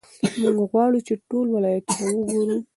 موږ غواړو چې ټول ولایتونه وګورو.